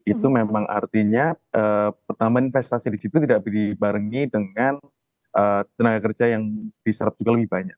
itu memang artinya pertama investasi di situ tidak dibarengi dengan tenaga kerja yang diserap juga lebih banyak